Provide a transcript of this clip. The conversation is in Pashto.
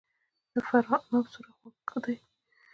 د فراه عناب سور او خوږ وي.